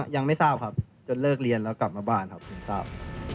ยังไม่ทราบครับจนเลิกเรียนแล้วกลับมาบ้านครับถึงทราบ